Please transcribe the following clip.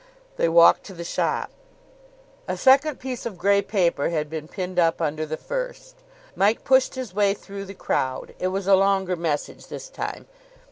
They walked to the shop. A second piece of grey paper had been pinned up under the first. Mike pushed his way through the crowd. It was a longer message this time.